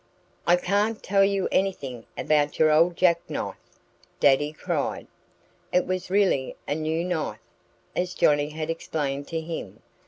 "I can't tell you anything about your old jackknife!" Daddy cried. (It was really a new knife, as Johnnie had explained to him.